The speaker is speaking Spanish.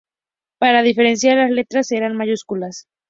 Para diferenciar, las letras serán mayúsculas.